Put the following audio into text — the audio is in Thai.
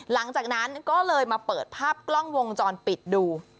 หลังจากนั้นก็เลยมาเปิดภาพกล้องวงจรปิดดู